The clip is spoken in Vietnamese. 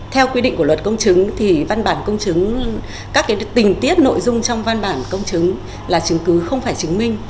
theo quy định của luật công chứng thì văn bản công chứng các tình tiết nội dung trong văn bản công chứng là chứng cứ không phải chứng minh